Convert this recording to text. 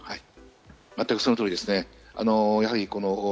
全くその通りですね。